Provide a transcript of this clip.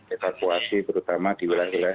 evakuasi terutama di wilayah wilayah